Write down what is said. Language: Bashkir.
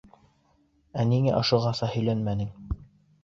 Ә ниңә ошоғаса өйләнмәнең?